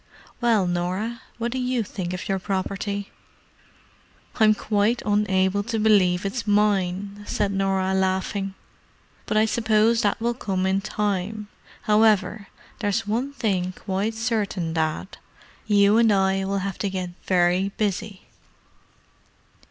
"Well, Norah, what do you think of your property?" "I'm quite unable to believe it's mine," said Norah, laughing. "But I suppose that will come in time. However, there's one thing quite certain, Dad—you and I will have to get very busy!"